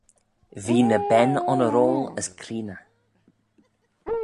V'ee ny ben onnoroil as creeney.